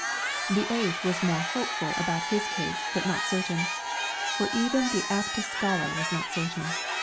The eighth was more hopeful about his case but not certain, for even the aptest scholar was not certain.